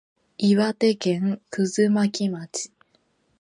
岩手県葛巻町